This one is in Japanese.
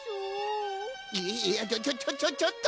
いやちょちょちょちょっと！